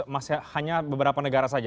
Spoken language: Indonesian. masih hanya beberapa negara saja